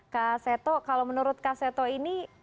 kak seto kalau menurut kak seto ini